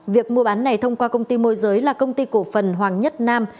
việc mua bán này thông qua công ty môi giới là công ty cổ phần hoàng nhất nam